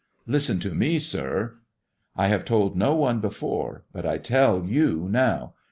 Listen to me, sir. I have told no one before, but I tell you now.